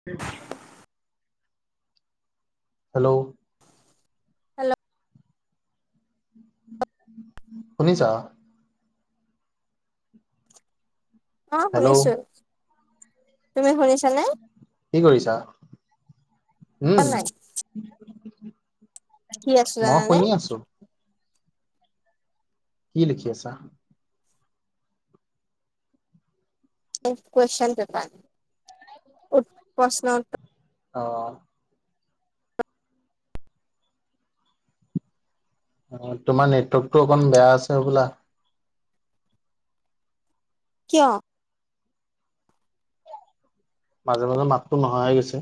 [unintelligible] Hello. Hello. শুনিছা। অ', hello শুনিছো, তুমি শুনিছানে। কি কৰিছা, উম। নাই কি আছে মই জানানে। শুনি আছো। কি লিখি আছা। [unintelligible] কুৱেছন পেপাৰ, [unintelligible] প্ৰশ্ন উত্তৰ অ'। অ', তোমাৰ নেটৱৰ্কটো অকন বেয়া আছে হ'বলা। কিয়। মাজে- মাজে মাততো নহা হৈ গৈছে।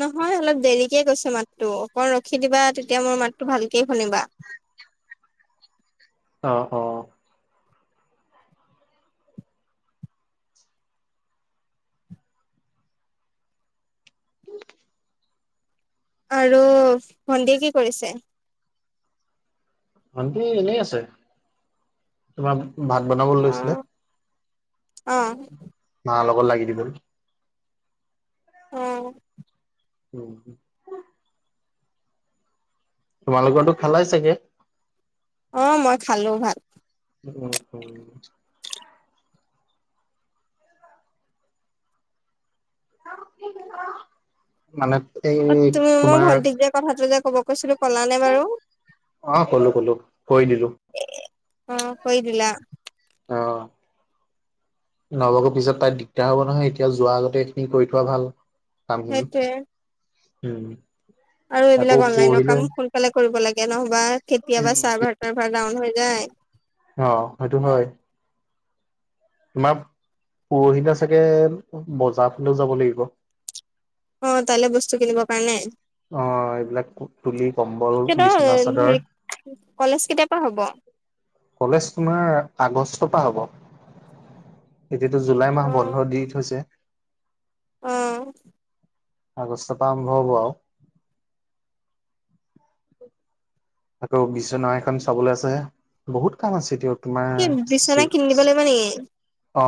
নহয় অলপ দেৰিকে গৈছে মাতটো, অকণ ৰখি দিবা তেতিয়া মোৰ মাতটো ভালকে শুনিবা। অ', অ'। আৰু ভণ্টীয়ে কি কৰিছে। ভণ্টি এনেই আছে, তোমাৰ ভাত বনাব অ লৈছিলে। অ'। মাৰ লগত লাগি দিব অ'। উম। তোমালোকৰতো খালাই চাগে। অ', মই খালো ভাত। [unintelligible] [unintelligible] মানে অ এই তুমি মই তোমাৰ ভন্টিক যে কথাটো যে ক'ব কৈছিলো ক'লা নে বাৰু? অ', ক'লো ক'লো কৰি দিলো। এ অ কৈ দিলা? অ। [unintelligible] পিছত তাই দিগদাৰ হ'ব নহয়। এতিয়া যোৱা আগতে এইখিনি কৰি থোৱা ভাল কামখিনি। সেইটোয়ে উম। আৰু আকৌ এইবিলাক অনলাইনৰ পৰহিলে কাম সোনকালে কৰিব লাগে। নহ'বা উম কেতিয়াবা চাৰ্ভাৰ-টাৰ্ভাৰ ডাউন হৈ যায়। অ, সেইটো হয়। তোমাৰ পৰহিলে চাগে বজাৰ ফালেও যাব লাগিব। অ, তালে বস্তু কিনিব কাৰণে? অ, এইবিলাক তুলি, কম্বল, সিহঁতৰ বিচনা চাদৰ হেৰি কলেজ কেতিয়া পা হ'ব? কলেজ তোমাৰ আগষ্ট পা হ'ব। এতিয়াতো জুলাই মাহ বন্ধ দি থৈছে। উম। আগষ্ট পা আৰম্ভ হ'ব আও। আকৌ বিচনা এখন চাবলে আছে। বহুত কাম আছে এতিয়াওঁ। তোমাৰ কি বিচনা কিনি দিব [unintelligible] লাগিব নেকি? অ,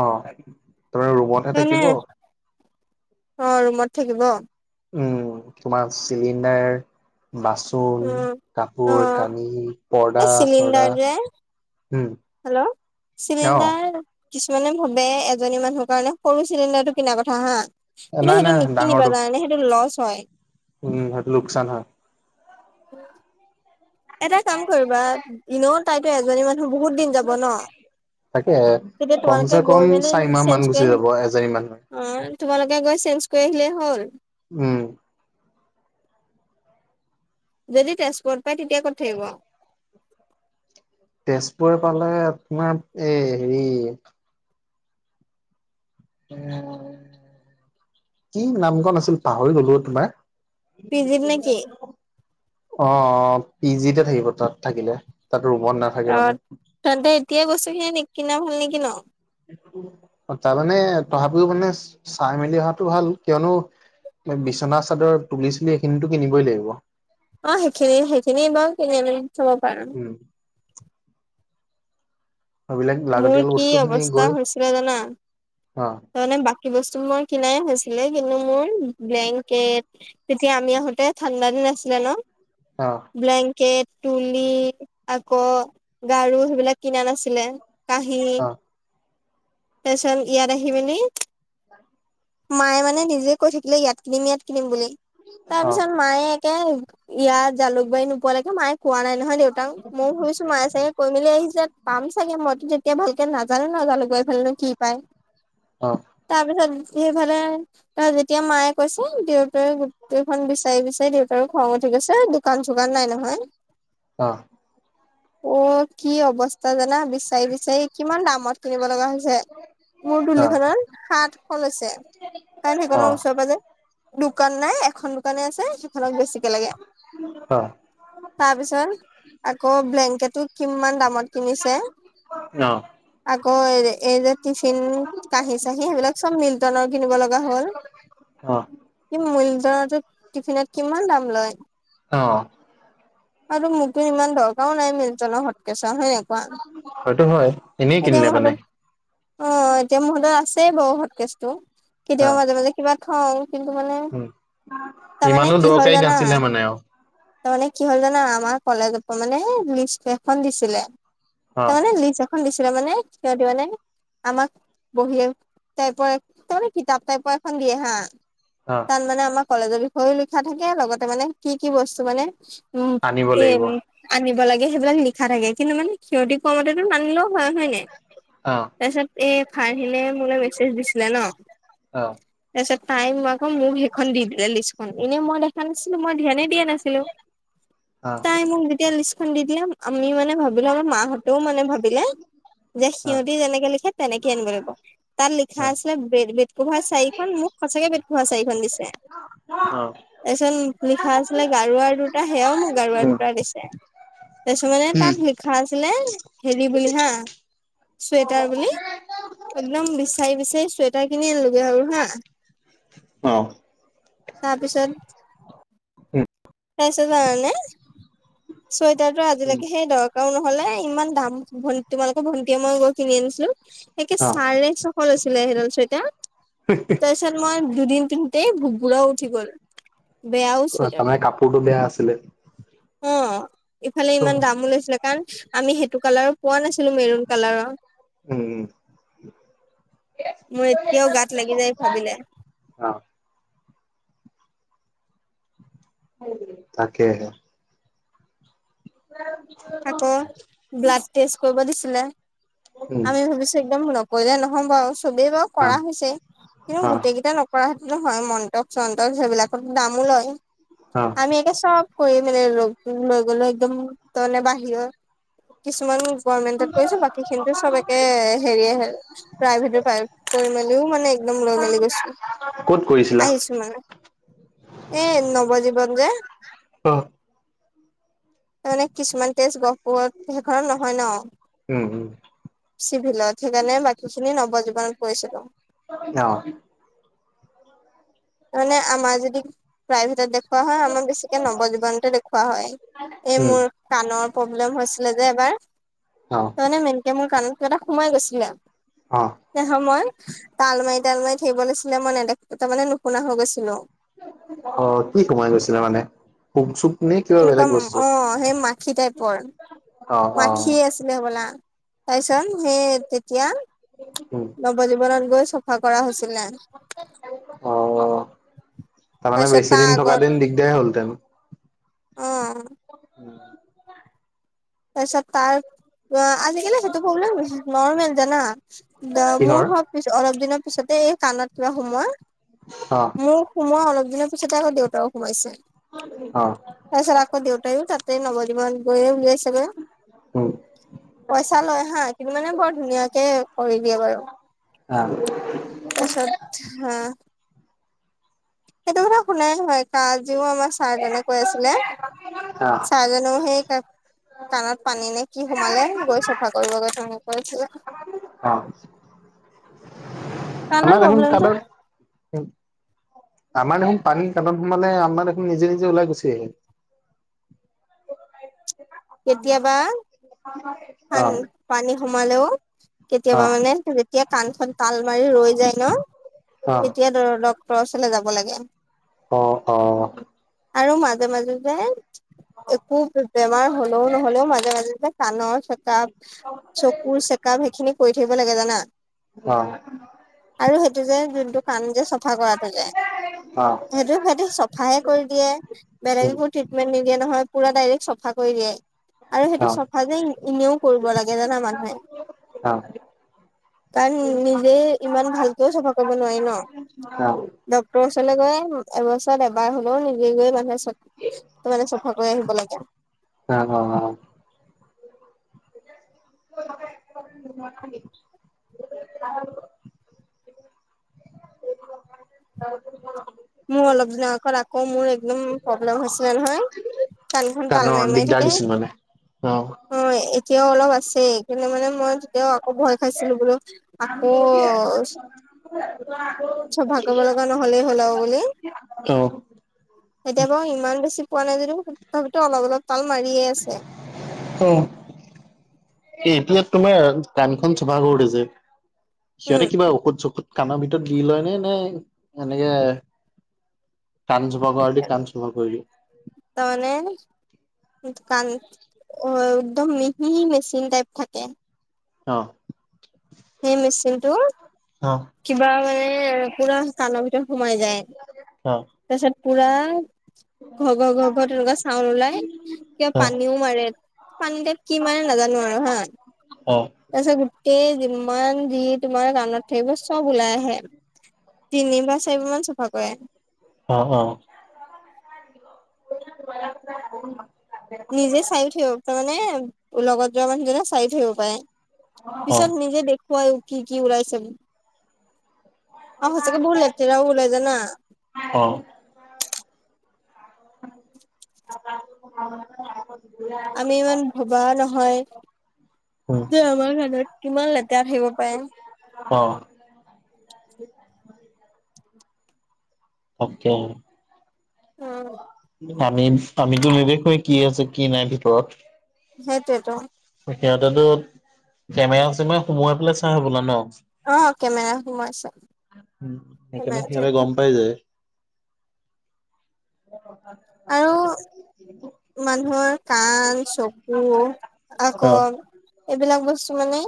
তোমাৰ ৰুমতহে মানে থাকিব। অ, ৰুমত থাকিব? উম, তোমাৰ চিলিণ্ডাৰ বাচ চোন, উম। অ', কাপোৰ-কানি, এই চিলিণ্ডাৰ পৰ্দা-চৰ্দা, যে হু। হেল্ল'। চিলিণ্ডাৰ কিছুমানে ভাবে এজনী মানুহৰ কাৰণে সৰু চিলিণ্ডাৰটো কিনা কথা হা। কিন্তু নাই নাই সেইটো ডাঙৰটো নিকিনিবা জানানে সেইটো লছ হয়। উম, হেটো লোকচান হয়। এটা কাম কৰিবা, ইনেওঁ তাইতো এজনী মানুহ বহুত দিন যাব ন। তাকে তেতিয়া তোমালোকে কমচে কম গৈ মেলি চাৰি চেঞ্জ মাহমান কৰি গুচি আহি যাব এজনী মানুহৰ। অ, তোমালোকে গৈ চেঞ্জ কৰি আহিলেই হ'ল। উম। যদি তেজপুৰত পাই তেতিয়া ক'ত থাকিব? তেজপুৰ পালে আপোনাৰ এ হেৰি এ কি নাম কন আছিল পাহৰি গ'লো অ তোমাৰ। পি জিত নে কি? [unintelligible] অ, অ পি জিতে থাকিব তাত থাকিলে। তাত ৰুমত না অ, তেন্তে এতিয়াই বস্তুখিনি নিকিনা ভাল নেকি ন? অ তাৰমানে তথাপিও মানে চাই মেলি অহাটো ভাল। কিয়নো [unintelligible] বিচনা চাদৰ তুলি-চুলি এইখিনিটো কিনিবই লাগিব। অ, সেইখিনি সেইখিনি বাও কিনি আনি থব পাৰা। উ। সেইবিলাক মোৰ লাগতিয়াল কি বস্তুখিনি অৱস্থা গৈ, অ। তামানে বাকী বস্তু মোৰ কিনাই হৈছিলে, কিন্তু মোৰ ব্লেংকেট তেতিয়া আমি আহোতে ঠাণ্ডা দিন আছিলে ন। অ। ব্লেংকেট, তুলি আকৌ গাৰু সেইবিলাক কিনা নাছিলে। কাঁহী, অ তাছত ইয়াত আহি আহি মেলি মায়ে মানে নিজে কৈ থাকিলে ইয়াত কিনিম, ইয়াত কিনিম বুলি। অ তাৰপিছত মায়ে একে ইয়াত জালুকবাৰী নোপোৱালৈকে মায়ে কোৱা নাই নহয় দেউতাও। মও ভাবিছো মায়ে চাগে কৈ মেলি আহিছে। পাম চাগে। মইতো তেতিয়া ভালকে নাজানো ন জালুকবাৰী ফালেনো কি পায়। অ। তাৰপিছত সেইফালে তা যেতিয়া মায়ে কৈছে দেউতাও গোটেইখন বিচাই বিচাই দেউতাৰো খং উঠি গৈছে, দো দোকান-চোকান নাই নহয়। অহ। অ, কি অৱস্থা জানা? বিচাৰি বিচাৰি কিমান দামত কিনিব লগা হৈছে। [unintelligible] মোৰ অ তুলিখনত সাতশ লৈছে। কাৰণ সেইখনৰ অ', ওচৰ-পাজৰে দোকান নাই। এখন দোকানে আছে, সিখনক বেছিকে লাগে। অ', তাৰপিছত আকৌ ব্লেংকেটো কিমান দামত কিনিছে। অ', আকৌ এই যে এই যে তি টিন, কাঁহি-চাঁহি সেইবিলাক চব মিল্টনৰ কিনিব লগা হ'ল। অ', কি মিল্টনৰটোত টিফিনত কিমান দাম লয়। অ। আৰুটো মোকটো ইমান দৰকাৰো নাই মিল্টনৰ হটকেচৰ। হয় নাই কোৱা। সেটো হয়। এনেই এতিয়া কিনিলে মোৰ মানে হাতত, অ এতিয়া হাতত আছেই বাও হটকেচটো। কেতিয়াবা অ', মাজে মাজে কিবা থওঁ কিন্তু মানে, উম, তাৰমানে ইমানো কি হ'ল দৰকাৰী জানা? নাছিলে মানে আৰু তা মানে কি হ'ল জানা? আমাৰ কলেজ পা মানে লিষ্ট এখন দিছিলে। অ', তাৰমানে লিষ্ট এখন দিছিলে মানে সিহঁতি মানে আমাক বহী টাইপৰ এ তা মানে কিতাপ টাইপৰ এখন দিয়ে হা। অ। তাত মানে আমাৰ কলেজৰ বিষয়েও লিখা থাকে, লগতে মানে কি কি বস্তু মানে উম আনিব এ লাগিব অ', উম আনিব লাগে সেইবিলাক লিখা থাকে, কিন্তু মানে সিহঁতি কোৱামতেটো নানিলেও হয়, হয় নাই? অ', তাপিছত এই ফাৰহিলে মোলে মেচজ দিছিলে ন। অ', তাছত তাই মোক আকৌ মোক সেইখন দি দিলে লিষ্টখন। এনেই মই দেখা নাছিলো। মই ধ্যানে [unintelligible] নাছিলো অ', তাই মোক যেতিয়া লিষ্ট খন দি দিলে আমি মানে ভাবিলো, আমাৰ মাহঁতেও মানে ভাবিলে যে অ', সিহঁতি যেনেকে লিখে তেনেকে আনিব লাগিব। তাত লিখা আছিলে বেদ বেদ কভাৰ চাৰি খন মোক সঁচাকে বেদ কভাৰ চাৰিখন দিছে। অ', তাছত লিখা আছিলে গাৰুৱাৰ দুটা। সেয়াও মোক গাৰুৱাৰ উম, দুটা দিছে। তাছত মানে উম, তাত লিখা আছিলে হেৰি বুলি হা চুৱেটাৰ বুলি। একদম বিচাৰি বিচাৰি চুৱেট টাৰ কিনি আনিলোগে আৰু হা। অ', তাপিছত উম, তাপিছত জানা নে চুৱেটাৰটো উম, আজিলেকে হেই দৰকাৰো নহ'লে, ইমান দাম ভন তোমালোকৰ ভণ্টিয়ে মই গৈ কিনি আনিছিলো। একে অ', চাৰে ছশ লৈছিলে সেইডাল চুৱেটা। তাপিছত মই দুদিন পিন্ধোতেই ভু-ভুৰা উঠি গল। বেয়াও কোৱা, চুৱেটাৰটো তামানে কাপোৰটো বেয়া আছিলে। অ, ইফালে ইমান উম, দামো লৈছিলে কাৰণ আমি সেইটো কালাৰৰ পোৱা নাছিলো মেৰুন কালাৰৰ। উম, উম। মোৰ এতিয়াও গাত লাগি যায় ভাবিলে। অ। [unintelligible] তাকেহে। আকৌ [unintelligible] ব্লাড টেষ্ট কৰিব দিছিলে। উম, আমি ভাবিছো একদম নকৰিলে নহ'ব আও। চবেই বাও অ', কৰা হৈছে, কিন্তু অ', গোটে কিটা নকৰা হেতেনো হয়। মন্ত চন্তচ সেইবিলাকত দামো লয়। অ। আমি একে চব কৰি মেলি লগ লৈ গ'লো একদম তানে বাহিৰৰ কিছুমান গৰ্মেন্টত কৰিছো। বাকীখিনিটো চব একে হেৰিয়ে হে প্ৰাইভেট পাই কৰি মেলিও মানে একদম লৈ মেলি গৈছো। ক'ত কৰিছিলা? আহিছো মানে। এ নৱজীৱন যে, অ', তা মানে কিছুমান টেষ্ট গহপুৰত সেইখনত নহয় ন। উম, উম। চিভিলত সেইকাৰণে বাকীখিনি নবজীৱনত কৰিছিলো। অ। তা মানে আমাৰ যদি প্ৰাইভেটত দে দেখোৱা হয় আমাৰ বেছিকে নব জীৱনতে দেখুওৱা হয়। এই উম মোৰ কাণৰ প্ৰব্লেম হৈছিলে যে এবাৰ। অ। তা মানে মেনকে মোৰ কাণত কিবা এটা সোমাই গৈছিলে। অ। নহয়, মই তাল মাৰি তাল মাৰি থাকিব লৈছিলে। মই নেদেখো তাৰমানে নুশুনা হৈ গৈছিলো। অ, কি কমাই গৈছিলে মানে? পোক-চোক নে কিবা এনেকুৱা বেলেগ বস্তু অ সেই মাখি টাইপৰ, অ অ মাখিয়ে আছ ছিলে হ'বলা। তাছত সেই তেতিয়া উম নৱজীৱনত গৈ চফা কৰা হৈছিলে। অ, তাৰমানে তাৰপিছত বেছি তাৰ দিন থকা আগত হেতেন দিগদাৰে হ'লহেতেন। অ। [unintelligible] উম। তাৰপিছত তাৰ আ আজি-কালি সেইটো প্ৰব্লেম [unintelligible] নৰ্মেল জানা। দা কিহৰ মোৰ হ পিছ অলপ দিনৰ পিছতে এই কাণত কিবা সোমোৱা। অ। মোৰ সোমোৱা অলপ দিনৰ পিছতে আকৌ দেউতাও সোমাইছে। অ। তাছত আক' দেউতাইও তাতে নৱজীৱনত গৈয়ে উলিয়াইছ উম [unintelligible] পইচা লয় হা, কিন্তু মানে বৰ ধুনীয়াকে কৰি দিয়ে বাৰু। আ। তাছত হা সেইটো কথা শুনাই নহয়। আজিও আমাৰ ছাৰজনে কৈ আছিলে, আহ ছাৰজনেও সেই ক কাণত পানী নে কি সোমালে, গৈ চফা কৰিব গৈ [unintelligible] অ'। কাণৰ আমাৰ দেখোন প্ৰব্লেমটো [unintelligible] আমাৰ দেখোন পানী কাণত সোমালে আমাৰ দেখোন নিজে-নিজে ওলাই গুচি আহিল। কেতিয়াবা [unintelligible] কাণ অ'। পানী সোমালেও। অ', অ', কেতিয়াবা মানে যেতিয়া কাণখন তাল মাৰি ৰৈ যায় ন, তেতিয়া [unintelligible] ডক্টৰৰ ওচৰলে যাব লাগে। অ', অ'। আৰু মাজে- মাজে যে, একো বেমাৰ হ'লেও নহ'লেও মাজে মাজে যে কাণৰ চেকাপ, চকুৰ চেকাপ সেইখিনি কৰি থাকিব লাগে জানা। অ'। আৰু সেইটো যে যোনটো কাণ যে চফা কৰাটো যে। অ'। সেইটো-সিহঁতি চ চফাহে কৰি দিয়ে, বেলেগ উম, একো ট্ৰিটমেণ্ট নিদিয়ে নহয়, পুৰা ডাইৰেক্ট চফা কৰি দিয়ে। আৰু সেইটো অ'। চফা যে ইনেও কৰিব লাগে জানা মানুহে। অ', অ', কাৰণ নিজে ইমান ভালকৈও চফা কৰিব নোৱাৰি ন। [unintelligible] ডক্টৰৰ ওচৰলে গৈ এবছৰত এবাৰ হ'লেও নিজে গৈ মানুহে চে ত' মানে চফা কৰি আহিব লাগে। অ', অ', অ'। [unintelligible] [unintelligible] মোৰ অলপ দিনৰ আগত আকৌ মোৰ একদম প্ৰব্লেম হৈছিলে নহয়। কাণখন তাল কাণৰ মাৰি- মাৰি দিগদাৰ থাকে। দিছিল মানে অ', এতিয়াও অলপ আছেই, কেলে মানে মই তেতিয়াও আকৌ ভয় খাইছিলো বোলো আকৌ [unintelligible] চফা কৰিব লগা নহ'লে হ'ল আও বুলি। অ'। এতিয়া বাৰু ইমান বেছি পোৱা নাই যদিও, তথাপিতো অলপ-অলপ তাল মাৰিয়ে আছে। অ'। এ এতিয়া তোমাৰ কাণখন চফা কৰোঁতে যে, সিহঁতে উম কিবা ঔষধ চৌ কাণৰ ভিতৰত দি লয় নে- নে এনেকে কাণ‌ চফা কৰাদি কাণ চফা কৰি দিওঁ। তাৰমানে কাণ অ', একদম মিহি মেচিন টাইপ থাকে। অ'। সেই মেচিনটো। অ'। কিবা মানে পুৰা কাণৰ ভিতৰত সোমাই যায়, অ তাৰপিছত পুৰা ঘ ঘ-ঘ-ঘ তেনেকুৱা চাউণ্ড ওলাই। কিবা অ পানীও মাৰে, পানীতে কি মাৰে নাজানো আৰু হা। তাৰ পিছত গোটেই যিমান যি তোমাৰ কাণত থাকিব, চব ওলাই আহে। তিন বাৰ চাৰি বাৰমান চাফা কৰে। অ', অ'। [unintelligible] নিজে চাই থৈব তাৰ মানে লগত যোৱা মানুহজনে চাই থৈ আহিব পাৰে। অ পিছত নিজে দেখুৱাইও কি-কি ওলাইছিল। সচাকে বহত লেতেৰা ওলাই যানা? অ'। [inaudible] আমি ইমান ভবা নহয় উম ত আমাৰ কাণত কিমান লেতেৰা আহিব পাৰে। অ'। অকে [unintelligible] উম। আমি আমিতো নেদেখুয়ে কি আছে কি নাই ভিতৰত। সেইটোৱে টো। সিহঁতেতো কেমেৰা-চেমেৰা সোমোৱাই পেলাই চাই হ'বলা ন? অ কেমেৰা সোমাইছে উম, সেইকাৰণে কেমেৰা সিহঁতে থাকিব গম পাই যায়। অ', অ'। আৰু মানুহৰ কাণ, চকু আক এইবিলাক বস্তু মানে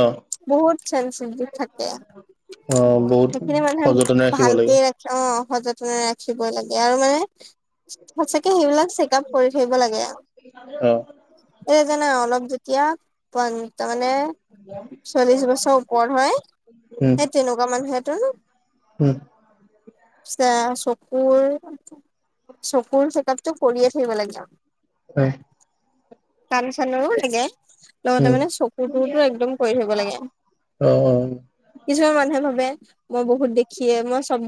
অ'। বহুত চেনচিটিভ থাকে। অ বহুত সেইখিনি মানুহে সযতনে ৰাখিব লাগে ভালকে ৰাখ অ', সযতনে ৰাখিবই লাগে আৰু মানে সচাকে সেইবিলাক চেক আপ কৰি থাকিব লাগে। অ এই জানা অলপ যেতিয়া [unintelligible] তাৰ মানে [inaudible] চল্লিশ বছৰৰ ওপৰত হয়, সেই তেনেকুৱা মানুহেটো হম আ চকুৰ চকুৰ শেকাপটো কৰিয়ে থাকিব লাগে যাম। হয়। কাণ চানৰো লাগে, লগতে উম মানে চকুৰটো টো একদম কৰি থব লাগে। অ অ কিছুমান মানুহে ভাবে মই বহুত দেখিয়ে, মই চব